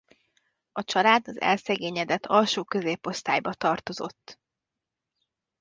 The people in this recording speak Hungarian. A család az elszegényedett alsó középosztályba tartozott.